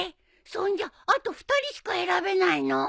そんじゃあと２人しか選べないの？